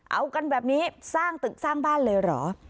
เอากันแบบนี้สร้างตึกสร้างบ้านเลยเหรอ